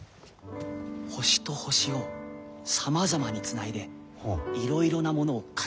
星と星をさまざまにつないでいろいろなものを形づくるのです。